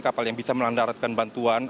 kapal yang bisa melandaratkan bantuan